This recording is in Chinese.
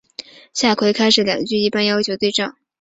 下阕开始两句一般要求对仗。